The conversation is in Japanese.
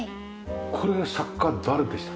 これ作家誰でしたっけ？